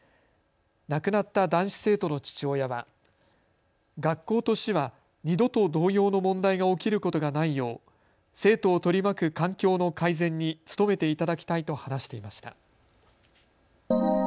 亡くなった男子生徒の父親は学校と市は二度と同様の問題が起きることがないよう生徒を取り巻く環境の改善に努めていただきたいと話していました。